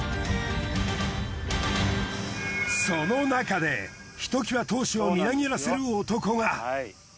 そのなかでひときわ闘志をみなぎらせる男が。